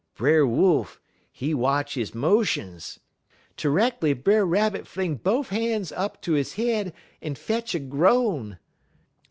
Brer Wolf, he watch his motions. Terreckly Brer Rabbit fling bofe han's up ter he head un fetch a groan.